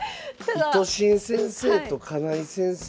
イトシン先生と金井先生と。